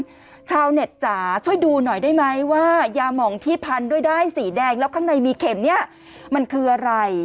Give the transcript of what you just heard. ชาวเน็ตจ๋าช่วยดูหน่อยได้ไหมว่ายาหมองที่พันด้วยด้ายสีแดงแล้วข้างในมีเข็มเนี่ยมันคืออะไร